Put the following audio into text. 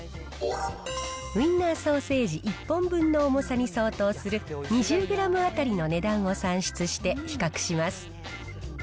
ウインナーソーセージ１本分の重さに相当する２０グラム当たりの値段を算出して、比較します。